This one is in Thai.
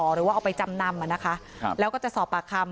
หรือว่าเอาไปจำนำนะคะแล้วก็จะสอบปากคำ